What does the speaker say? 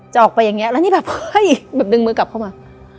ออกไปอย่างนี้แล้วนี่แบบเฮ้ยแบบดึงมือกลับเข้ามา